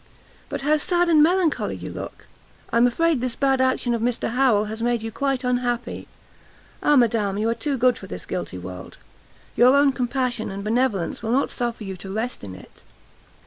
But how sad and melancholy you look! I am afraid this bad action of Mr Harrel has made you quite unhappy? Ah madam! you are too good for this guilty world! your own compassion and benevolence will not suffer you to rest in it!"